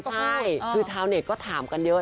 ใช่คือชาวเน็ตก็ถามกันเยอะ